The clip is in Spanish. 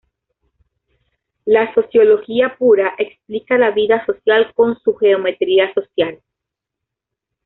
La sociología pura explica la vida social con su geometría social.